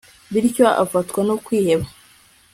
bityo afatwa no kwiheba